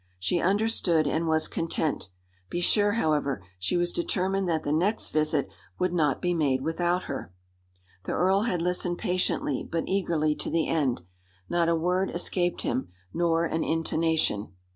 She understood and was content. Be sure, however, she was determined that the next visit would not be made without her. The earl had listened patiently, but eagerly, to the end. Not a word escaped him, nor an intonation.